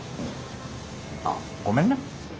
あっごめんね。